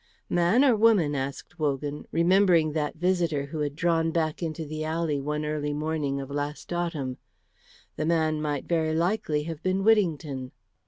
"Man or woman?" asked Wogan, remembering that visitor who had drawn back into the alley one early morning of last autumn. The man might very likely have been Whittington.